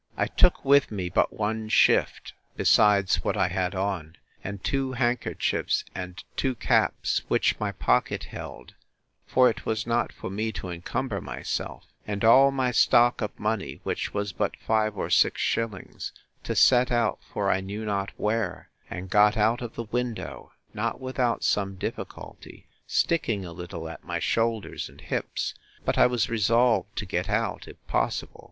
I took with me but one shift, besides what I had on, and two handkerchiefs, and two caps, which my pocket held, (for it was not for me to encumber myself,) and all my stock of money, which was but five or six shillings, to set out for I knew not where; and got out of the window, not without some difficulty, sticking a little at my shoulders and hips; but I was resolved to get out, if possible.